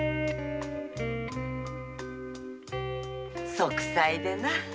息災でな。